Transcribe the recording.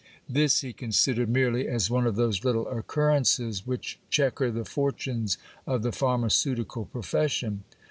This he considered merely as one of those little occurrences which chequer the fortunes of the pharmaceutical profession.